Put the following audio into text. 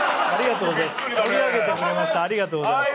盛り上げてくれまして、ありがとうございます。